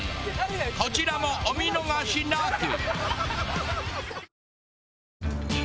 こちらもお見逃しなく。